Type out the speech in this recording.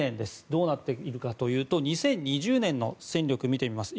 どうなっているのかというと２０２０年の戦力を見てみます。